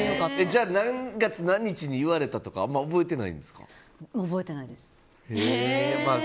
じゃあ、何月何日に言われたとか覚えてないです。